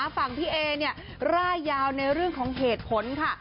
ฝั่งพี่เอร่ายยาวในเรื่องของเหตุผลค่ะ